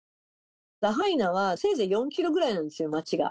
ラハイナはせいぜい４キロぐらいなんですよ、町が。